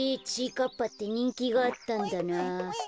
かっぱってにんきがあったんだな。